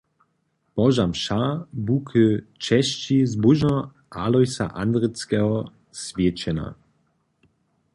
Boža mša bu k česći zbóžneho Alojsa Andrickeho swjećena.